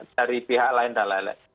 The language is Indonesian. dari pihak lain dll